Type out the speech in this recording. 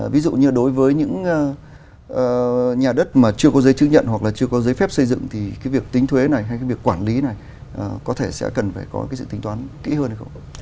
ví dụ như đối với những nhà đất mà chưa có giấy chứng nhận hoặc là chưa có giấy phép xây dựng thì cái việc tính thuế này hay cái việc quản lý này có thể sẽ cần phải có cái sự tính toán kỹ hơn hay không